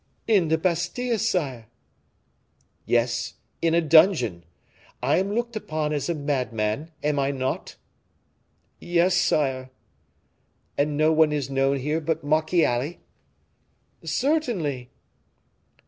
"In the Bastile, sire." "Yes; in a dungeon. I am looked upon as a madman, am I not?" "Yes, sire." "And no one is known here but Marchiali?" "Certainly."